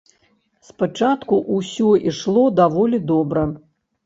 Спачатку ўсё ішло даволі добра.